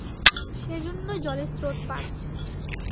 সেজন্যই জলের স্রোত বাড়ছে।